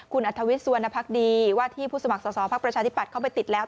คุณอัทธวิทย์สวนภักดีว่าที่ผู้สมัครสอบภาคประชาธิบัตรเข้าไปติดแล้ว